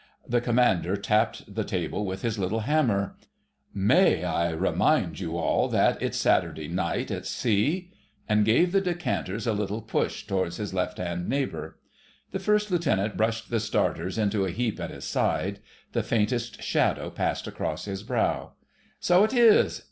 The Commander tapped the table with his little hammer— "May I remind you all that it's Saturday Night at Sea?" and gave the decanters a little push towards his left hand neighbour. The First Lieutenant brushed the starters into a heap at his side; the faintest shadow passed across his brow. "So it is!"